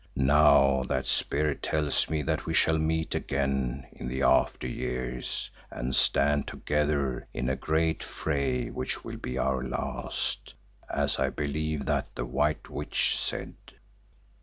Now that spirit tells me that we shall meet again in the after years and stand together in a great fray which will be our last, as I believe that the White Witch said.